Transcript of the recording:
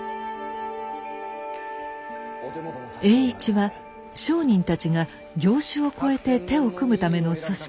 栄一は商人たちが業種を超えて手を組むための組織